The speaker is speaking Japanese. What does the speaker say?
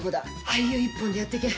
俳優一本でやってけ。